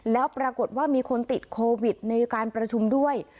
แล้วปรากฏว่ามีคนติดโควิดในการประชุมด้วย